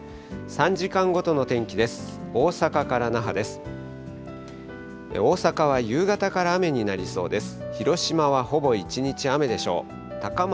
３時間ごとの天気です。